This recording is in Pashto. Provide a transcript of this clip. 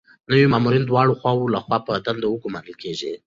نوي مامورین د دواړو خواوو لخوا په دنده ګمارل کیږي.